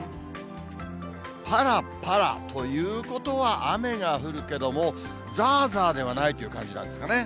ぱらぱらということは、雨が降るけども、ざーざーではないという感じなんですかね。